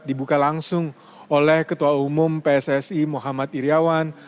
dibuka langsung oleh ketua umum pssi muhammad iryawan